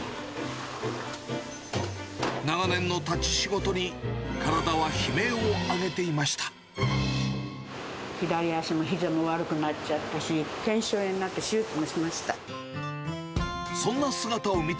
長年の立ち仕事に、体は悲鳴左足もひざも悪くなっちゃったし、けんしょう炎になって、手術もしました。